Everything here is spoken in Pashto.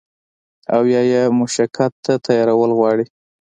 او يا ئې مشقت ته تيارول غواړي